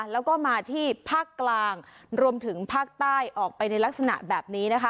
แล้วก็มาที่ภาคกลางรวมถึงภาคใต้ออกไปในลักษณะแบบนี้นะคะ